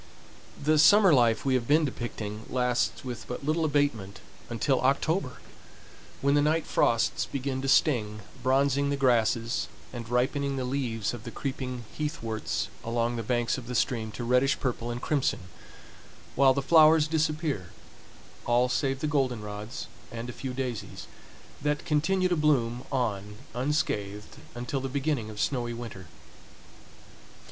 The summer life we have been depicting lasts with but little abatement until October, when the night frosts begin to sting, bronzing the grasses, and ripening the leaves of the creeping heathworts along the banks of the stream to reddish purple and crimson; while the flowers disappear, all save the goldenrods and a few daisies, that continue to bloom on unscathed until the beginning of snowy winter.